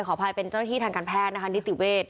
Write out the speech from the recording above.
ขอภานย์เป็นเจ้าหน้าที่ทางการแพทย์